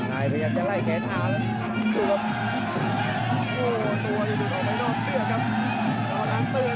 พวกนายไปอยากจะไล่แขนหาแล้วโอ้โหตัวอยู่ออกไปนอกเชื่อครับ